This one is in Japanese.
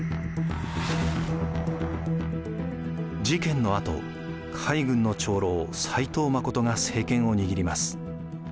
事件のあと海軍の長老斎藤実が政権を握ります。